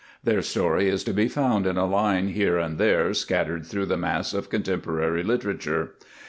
Their story is to be found in a line here and there scattered through the mass of contemporary literature.